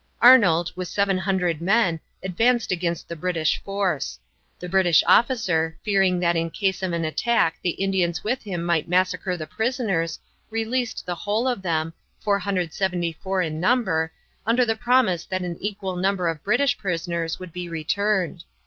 Arnold, with 700 men, advanced against the British force. The British officer, fearing that in case of an attack the Indians with him might massacre the prisoners, released the whole of them, 474 in number, under the promise that an equal number of British prisoners should be returned.